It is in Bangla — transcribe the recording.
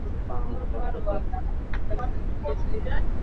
এই চলচ্চিত্রটি পাঞ্জাবে এবং বিশেষত ছোট ছোট অঞ্চলগুলোতে বেশ ভালো আয় করেছিল।